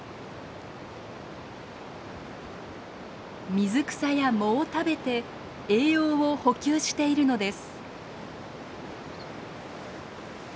水草や藻を食べて栄養を補給しているのです。